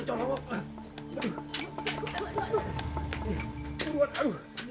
kalau kita bisa meng produce dari tadi